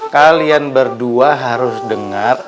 kalian berdua harus dengar